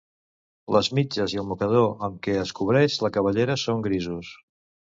Les mitges i el mocador amb què es cobreix la cabellera són grisos.